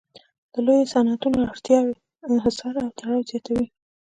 د لویو صنعتونو اړتیاوې انحصار او تړاو زیاتوي